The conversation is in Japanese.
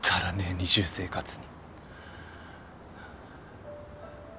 二重生活に。